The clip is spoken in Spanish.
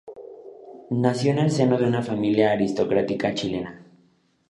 Nació en el seno de una familia aristocrática chilena.